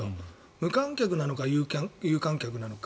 無観客なのか有観客なのか。